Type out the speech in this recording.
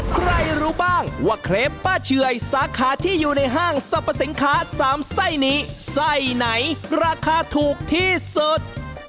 ใครรู้บ้างว่าเครปป้าเฉยสาขาที่อยู่ในห้างสรรพสินค้าสามไส้นี้ไส้ไหนราคาถูกที่สุด